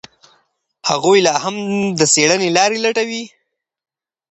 هغوی لا هم د څېړني لارې لټوي.